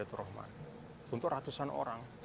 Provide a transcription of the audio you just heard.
untuk ratusan orang